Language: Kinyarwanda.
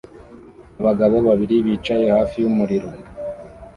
Abagabo babiri bicaye hafi y'umuriro